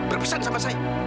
berpisah sama saya